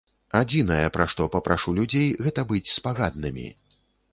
Адзінае пра што папрашу людзей, гэта быць спагаднымі.